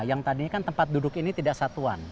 yang tadinya kan tempat duduk ini tidak satuan